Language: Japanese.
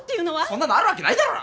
そんなのあるわけないだろ！